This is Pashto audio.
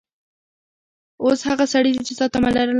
اوس هغه سړي د جزا تمه لرله.